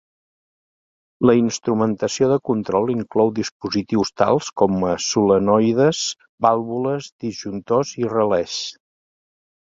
La instrumentació de control inclou dispositius tals com a solenoides, vàlvules, disjuntors i relés.